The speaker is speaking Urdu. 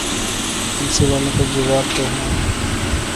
ان سوالوں کے جواب تو ہوں۔